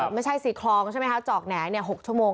ไม่ใช่๔คลองใช่ไหมคะจอกแหน่๖ชั่วโมง